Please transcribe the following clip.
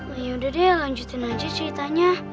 wah yaudah deh lanjutin aja ceritanya